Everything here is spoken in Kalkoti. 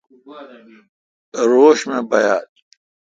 روݭ می بایل۔